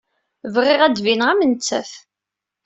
Bɣiɣ ad d-bineɣ am nettat.